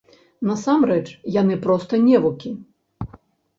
Насамрэч, яны проста невукі.